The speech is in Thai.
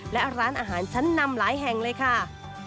และร้านอาหารชั้นนำหลายแห่งเลยค่ะ